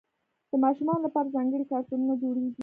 د ماشومانو لپاره ځانګړي کارتونونه جوړېږي.